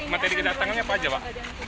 materi kedatangannya apa aja pak